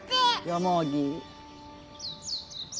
ヨモギ。